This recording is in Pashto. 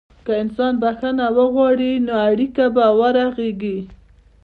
که انسان بخښنه وغواړي، نو اړیکه به ورغېږي.